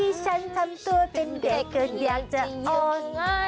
ที่ฉันทำตัวเป็นเด็กเกินอยากจะอ้อนไงเถอะ